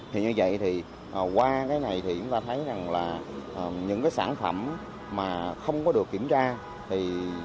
thì như vậy thì qua cái này thì chúng ta thấy rằng là những cái sản phẩm mà không có được kiểm tra